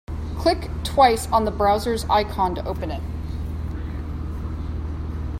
Click twice on the browser's icon to open it.